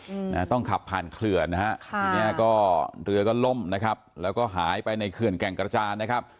อืมนะฮะต้องขับผ่านเขื่อนนะฮะค่ะทีเนี้ยก็เรือก็ล่มนะครับแล้วก็หายไปในเขื่อนแก่งกระจานนะครับ